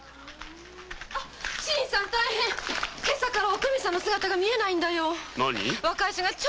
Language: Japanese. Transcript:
新さん大変今朝からおくみさんが見えないんだよ！